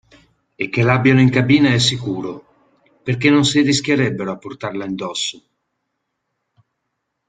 E che l'abbiano in cabina è sicuro, perché non si arrischierebbero a portarla in dosso.